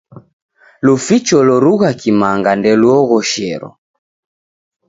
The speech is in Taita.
Luficho lorugha kimanga ndeluoghoshero.